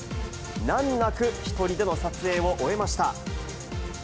難なく１人での撮影を終えました。